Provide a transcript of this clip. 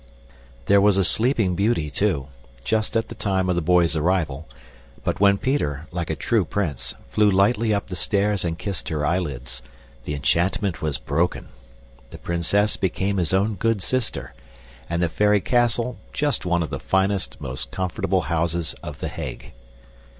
There was a Sleeping Beauty, too, just at the time of the boys' arrival, but when Peter, like a true prince, flew lightly up the stairs and kissed her eyelids, the enchantment was broken. The princess became his own good sister, and the fairy castle just one of the finest, most comfortable houses of The Hague.